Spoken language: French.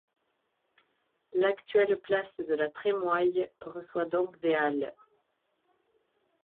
L'actuelle place de la Trémoille reçoit donc des halles.